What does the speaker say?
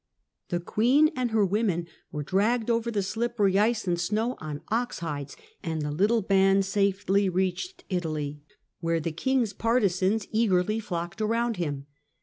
The queen and her women were dragged over the slippery ice and snow on ox hides, and the little band safely reached Italy, where the King's partisans eagerly flocked round him.